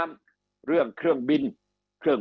คำอภิปรายของสอสอพักเก้าไกลคนหนึ่ง